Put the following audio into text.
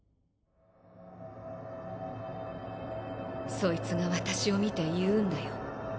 そいつが私を見て言うんだよ。